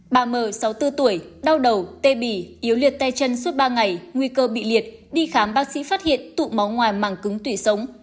bà m sáu mươi bốn tuổi đau đầu tê bì yếu liệt tay chân suốt ba ngày nguy cơ bị liệt đi khám bác sĩ phát hiện tụ máu ngoài màng cứng tủy sống